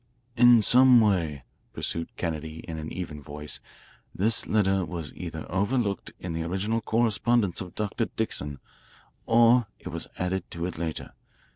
"In some way," pursued Kennedy in an even voice, "this letter was either overlooked in the original correspondence of Dr. Dixon or it was added to it later.